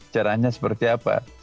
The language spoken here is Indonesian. caranya seperti apa